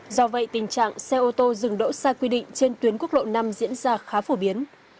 do vậy tình trạng xe ô tô dừng đỗ sai quy định trên tuyến quốc lộ năm diễn ra khá phổ biến